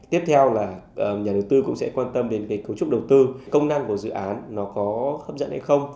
tiếp theo là nhà đầu tư cũng sẽ quan tâm đến cái cấu trúc đầu tư công năng của dự án nó có hấp dẫn hay không